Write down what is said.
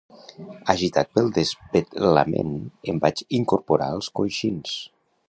Agitat pel desvetlament, em vaig incorporar als coixins.